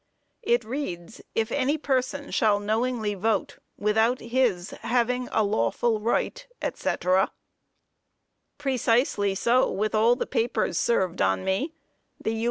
It reads "If any person shall knowingly vote without his having a lawful right," &c. Precisely so with all the papers served on me the U.